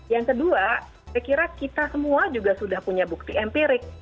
yang kedua saya kira kita semua juga sudah punya bukti empirik